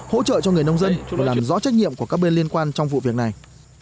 hỗ trợ cho người nông dân và làm rõ trách nhiệm của các bên liên quan trong vụ việc này